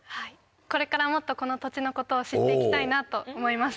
これからもっとこの土地のことを知っていきたいなと思いました。